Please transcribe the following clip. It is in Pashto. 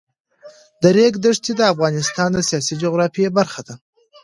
د ریګ دښتې د افغانستان د سیاسي جغرافیه برخه ده.